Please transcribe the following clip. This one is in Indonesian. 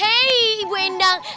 hei ibu endang